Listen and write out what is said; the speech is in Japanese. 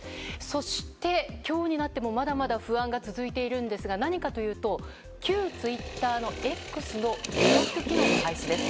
そして、今日になってもまだまだ不安が続いているんですが何かというと旧ツイッターの「Ｘ」のブロック機能の廃止です。